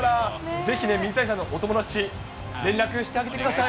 ぜひね、水谷さんのお友達、連絡してあげてください。